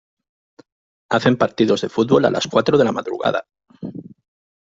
Hacen partidos de fútbol a las cuatro de la madrugada.